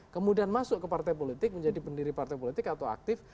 kemudian masuk ke partai politik menjadi pendiri partai politik atau aktif